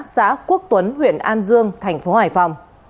xã quốc tuấn huyện an dương thành phố hải phòng